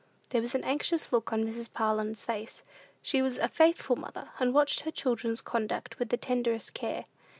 There was an anxious look on Mrs. Parlin's face. She was a faithful mother, and watched her children's conduct with the tenderest care.